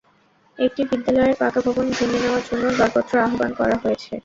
একটি বিদ্যালয়ের পাকা ভবন ভেঙে নেওয়ার জন্য দরপত্র আহ্বান করা হয়েছে।